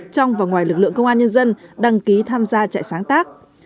trong và ngoài lực lượng công an nhân dân đăng ký tham gia trại sáng tác